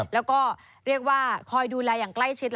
แล้วก็เรียกว่าคอยดูแลอย่างใกล้ชิด